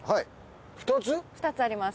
２つあります。